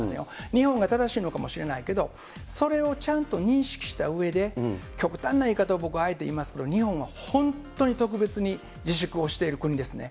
日本が正しいのかもしれないけど、それをちゃんと認識したうえで、極端な言い方を僕はあえて言いますけど、日本は本当に特別に自粛をしている国ですね。